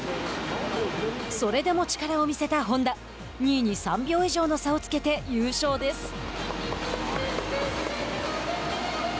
それでも力を見せた本多２位に３秒以上の差をつけて優勝です。